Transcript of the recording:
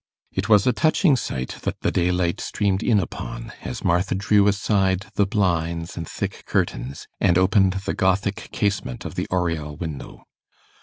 It was a touching sight that the daylight streamed in upon, as Martha drew aside the blinds and thick curtains, and opened the Gothic casement of the oriel window!